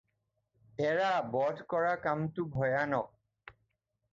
এৰা, বধ কৰা কামটো ভয়ানক।